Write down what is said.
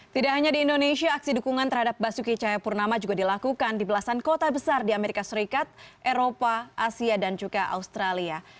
tidak hanya di indonesia aksi dukungan terhadap basuki cahayapurnama juga dilakukan di belasan kota besar di amerika serikat eropa asia dan juga australia